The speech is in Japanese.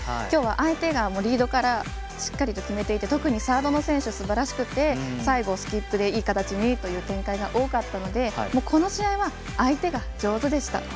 今日は相手がリードからしっかり決めていて特にサードの選手がすばらしくて最後、スキップでいい形にという展開が多かったのでこの試合は、相手が上手でした。